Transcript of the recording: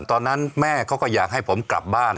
ตอนนั้นแม่เขาก็อยากให้ผมกลับบ้าน